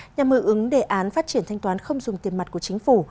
nhà mưu ứng đề án phát triển thanh toán không dùng tiền mặt của chính phủ